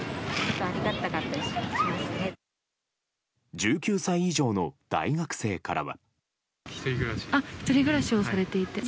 １９歳以上の大学生からは。